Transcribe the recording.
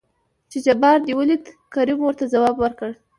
چې جبار دې ولېد؟ کريم ورته ځواب ورکړ.